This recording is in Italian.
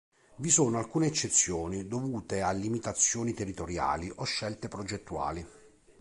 Vi sono alcune eccezioni, dovute a limitazioni territoriali o scelte progettuali.